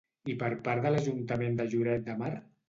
I per part de l'Ajuntament de Lloret de Mar?